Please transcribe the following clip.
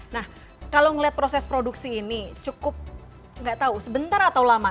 nah kalau ngelihat proses produksi ini cukup gak tau sebentar atau lama